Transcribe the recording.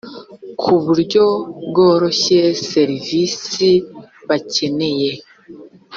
ku buryo bworoshye serivisi bakeneye